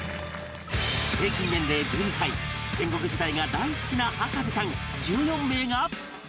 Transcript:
平均年齢１２歳戦国時代が大好きな博士ちゃん１４名が